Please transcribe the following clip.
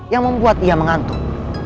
yang membuat ia mengantuk